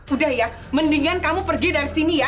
udah ya mendingan kamu pergi dari sini ya